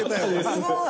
すごい！